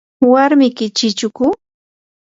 ¿warmiki chichuku?